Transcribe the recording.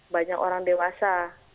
banyak orang dewasa